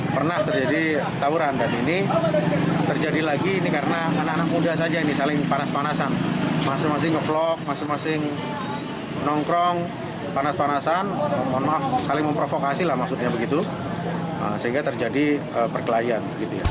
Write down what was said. panas panasan mohon maaf saling memprovokasi lah maksudnya begitu sehingga terjadi perkelahian